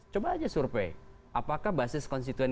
coba aja survei apakah basis konstituen